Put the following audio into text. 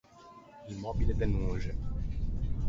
Un mòbile de noxe.